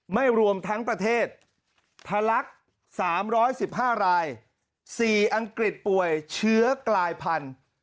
รวมทั้งประเทศทะลัก๓๑๕ราย๔อังกฤษป่วยเชื้อกลายพันธุ์